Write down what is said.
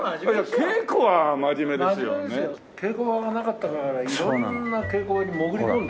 稽古場がなかったから色んな稽古場に潜り込んでね。